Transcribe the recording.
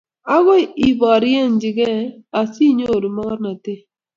agoi iboryengei asiinyoru mokornatet.